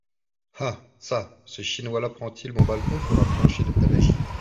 Ah ! çà ! ce Chinois-là prend-il mon balcon pour un plancher de tabagie…